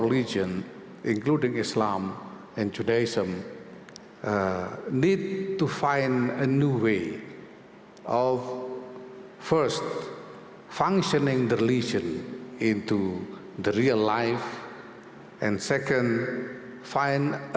retno juga menyampaikan bahwa dia akan menjelaskan keberpihakan indonesia terhadap palestina